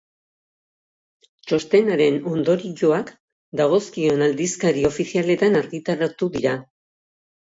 Txostenaren ondorioak dagozkion aldizkari ofizialetan argitaratu dira.